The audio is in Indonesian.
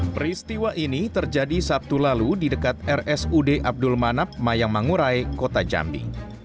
peristiwa ini terjadi sabtu lalu di dekat rsud abdul manap mayang mangurai kota jambi